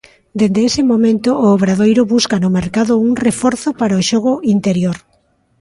Dende ese momento o Obradoiro busca no mercado un reforzo para o xogo interior.